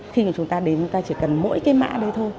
khi chúng ta đến chúng ta chỉ cần mỗi cái mã đấy thôi